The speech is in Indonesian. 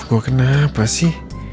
gue kenapa sih